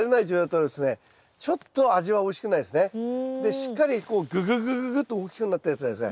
しっかりこうぐぐぐぐぐと大きくなったやつはですね